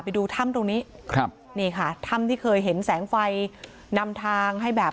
ไปดูถ้ำตรงนี้ครับนี่ค่ะถ้ำที่เคยเห็นแสงไฟนำทางให้แบบ